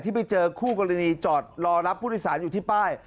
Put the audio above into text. ไปเจอคู่กรณีจอดรอรับผู้โดยสารอยู่ที่ป้าย